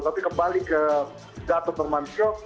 tapi kembali ke gatot nurmansyah